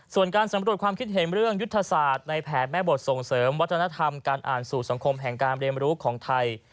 ส่วนการสำรวจความคิดเห็นเรื่องยุทธศาสตร์ในแผนแม่บทส่งเสริมวัฒนธรรมการอ่านสู่สังคมแห่งการเรียนรู้ของไทย